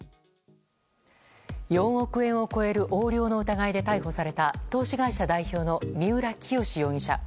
４億円を超える横領の疑いで逮捕された投資会社代表の三浦清志容疑者。